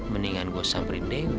mendingan gua samperin dewi